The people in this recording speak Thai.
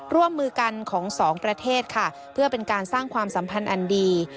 ร่วมมือกันของสองประเทศค่ะเพื่อเป็นการสร้างความสัมพันธ์อันดี